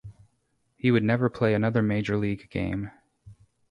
He would never play another major league game.